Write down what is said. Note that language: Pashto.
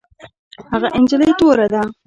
هغه نجلۍ توره ده